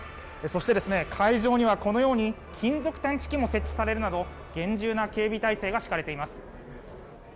そして会場にはこのように金属探知機が設置されるなど厳重な警備体制が敷かれています」